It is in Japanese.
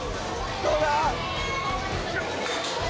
どうだ？